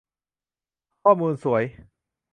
ข้อมูลสวย